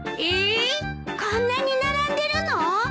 こんなに並んでるの？